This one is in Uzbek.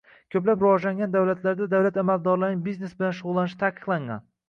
ko‘plab rivojlangan davlatlarda davlat amaldorlarining biznes bilan shug‘ullanishi taqiqlangan.